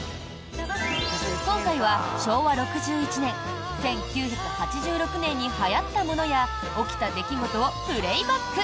今回は昭和６１年、１９８６年にはやったものや起きた出来事をプレーバック！